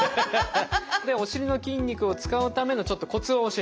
お尻の筋肉を使うためのちょっとコツを教えます。